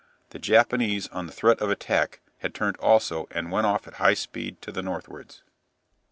The Japanese on the threat of attack had turned also and went off at high speed to the northwards.